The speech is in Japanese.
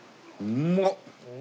うまっ！